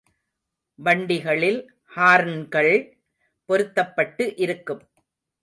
வண்டிகளில் ஹார்ன்கள் பொருத்தப்பட்டு இருக்கும்.